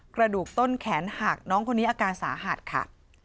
กระดูกต้นแขนหักน้องคนนี้อาการสาหัสค่ะ